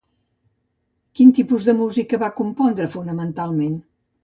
Quin tipus de música va compondre, fonamentalment?